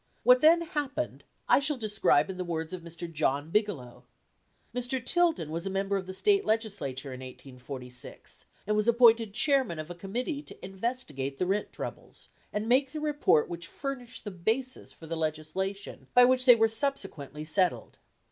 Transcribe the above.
What then happened I shall describe in the words of Mr. John Bigelow. Mr. Tilden was a member of the State Legislature in 1846, and was appointed Chairman of a Committee to investigate the rent troubles, and make the report which furnished the basis for the legislation by which they were subsequently settled.